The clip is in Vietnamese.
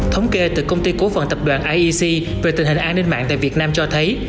thống kê từ công ty cố phần tập đoàn iec về tình hình an ninh mạng tại việt nam cho thấy